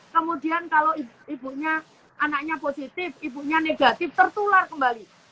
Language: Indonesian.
kemudian kalau ibunya anaknya positif ibunya negatif tertular kembali